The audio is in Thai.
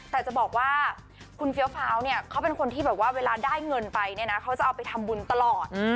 แต่จะบอกว่าคุณเฟี้ยวฟ้าวเนี่ยเขาเป็นคนที่แบบว่าเวลาได้เงินไปเนี่ยนะเขาจะเอาไปทำบุญตลอด